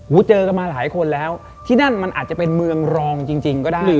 เจอกันมาหลายคนแล้วที่นั่นมันอาจจะเป็นเมืองรองจริงก็ได้